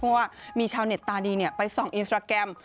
เพราะว่ามีชาวเน็ตตาดีไปส่องอินสตราแกรม